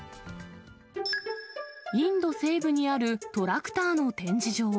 インド西部にあるトラクターの展示場。